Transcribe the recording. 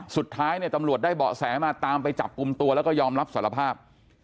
สุดท้ายเนี่ยตำรวจได้เบาะแสมาตามไปจับกลุ่มตัวแล้วก็ยอมรับสารภาพ